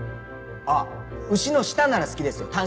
あっ牛の舌なら好きですよ。